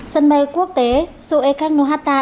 sân bay quốc tế soekarno hatta